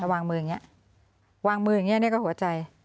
วางมืออย่างนี้วางมืออย่างนี้เนี่ยก็หัวใจ